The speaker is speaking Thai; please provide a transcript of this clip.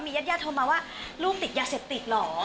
ญาติญาติโทรมาว่าลูกติดยาเสพติดเหรอ